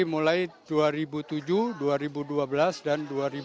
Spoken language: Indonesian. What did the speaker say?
jadi mulai dua ribu tujuh dua ribu dua belas dan dua ribu